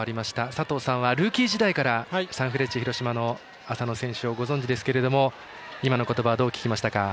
佐藤さんはルーキー時代からサンフレッチェ広島の浅野選手をご存じですけど今の言葉をどう聞きましたか？